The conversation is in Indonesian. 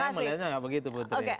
saya melihatnya nggak begitu putri